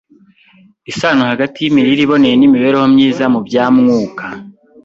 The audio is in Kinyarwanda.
Isano hagati y’Imirire iboneye n’Imibereho myiza mu bya Mwuka